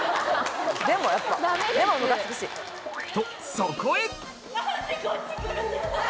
とそこへ！